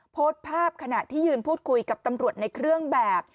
โพสต์ภาพขณะที่ยืนพูดคุยกับตำรวจในเครื่องแบบ